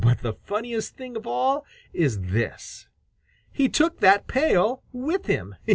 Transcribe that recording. But the funniest thing of all is this he took that pail with him!